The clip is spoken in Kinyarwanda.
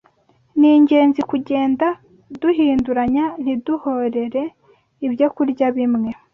Ni ingenzi kugenda duhinduranya ntiduhorere ibyokurya bimwe